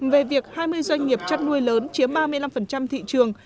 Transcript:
về việc hai mươi doanh nghiệp chăn nuôi lớn chiếm ba mươi năm thị trường